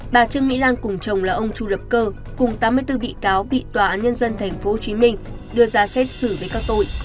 bà trương mỹ lan cùng chồng là ông chu lập cơ cùng tám mươi bốn bị cáo bị tòa án nhân dân tp hcm đưa ra xét xử với các tội